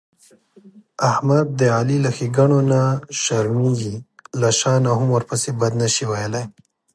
احمد د علي له ښېګڼونه شرمېږي، له شا نه هم ورپسې بد نشي ویلای.